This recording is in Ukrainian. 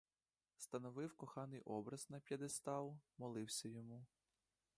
Становив коханий образ на п'єдестал, молився йому.